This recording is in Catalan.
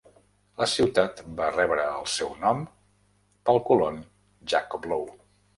La ciutat va rebre el seu nom pel colon Jacob Low.